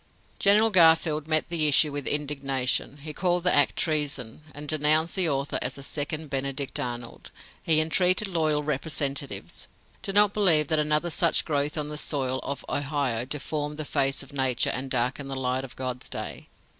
General Garfield met the issue with indignation. He called the act "treason!" and denounced the author as a second Benedict Arnold. He entreated loyal representatives: "Do not believe that another such growth on the soil of Ohio deformed the face of nature and darkened the light of God's day!"